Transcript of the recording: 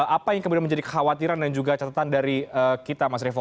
apa yang kemudian menjadi kekhawatiran dan juga catatan dari kita mas revo